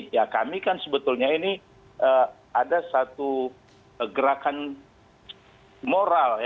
ya kami kan sebetulnya ini ada satu gerakan moral ya